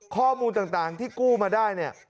ข้อมูลต่างที่กู้มาได้